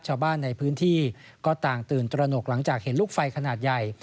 ชาวบ้านในพื้นที่ก็ต่างตื่นตระหนกหลังจากเห็นลูกไฟขนาดใหญ่